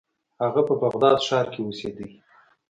هغه په بغداد ښار کې اوسیده.